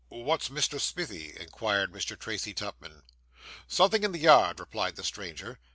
'What's Mr. Smithie?' inquired Mr. Tracy Tupman. 'Something in the yard,' replied the stranger.